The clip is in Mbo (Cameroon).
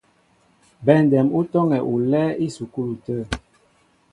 Bɛndɛm ú tɔ́ŋɛ olɛ́ɛ́ ísukúlu tə̂.